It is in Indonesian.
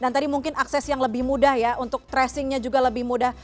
dan tadi mungkin akses yang lebih mudah ya untuk tracingnya juga lebih mudah